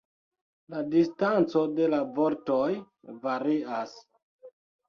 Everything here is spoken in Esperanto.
La distanco de la vortoj varias.